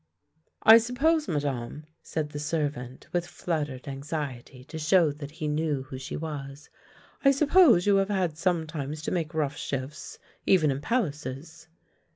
" I suppose, Madame," said the servant, with flut tered anxiety to show that he knew who she was, " I suppose you have had sometimes to make rough shifts, even in palaces."